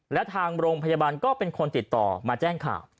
แล้วทางโรงพยาบาลก็เป็นคนติดต่อมาแจ้งข่าว